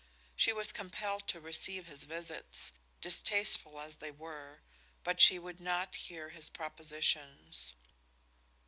She was compelled to receive his visits, distasteful as they were, but she would not hear his propositions.